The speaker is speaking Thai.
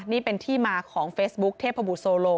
นี่เป็นที่มาของเฟซบุ๊คเทพบุตรโซโล